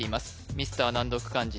ミスター難読漢字